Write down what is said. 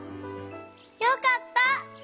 よかった！